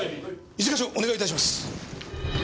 一課長お願い致します。